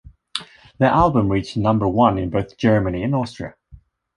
The album reached number one in both Germany and Austria.